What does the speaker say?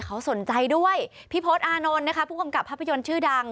เขาสนใจด้วยพี่พศอานนท์นะคะผู้กำกับภาพยนตร์ชื่อดัง